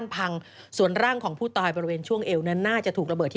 ซึ่งตอน๕โมง๔๕นะฮะทางหน่วยซิวได้มีการยุติการค้นหาที่